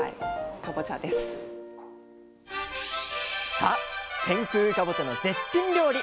さあ天空かぼちゃの絶品料理。